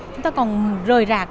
chúng ta còn rời rạc